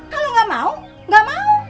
kalau nggak mau gak mau